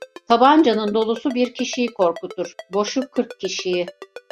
Tabancanın dolusu bir kişiyi korkutur, boşu kırk kişiyi.